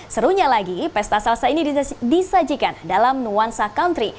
serunya lagi pesta salsa ini disajikan dalam nuansa country